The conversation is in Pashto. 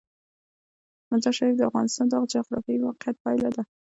مزارشریف د افغانستان د جغرافیایي موقیعت پایله ده.